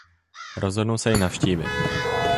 Rozhodnou se jej navštívit.